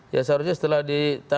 ya seharusnya setelah di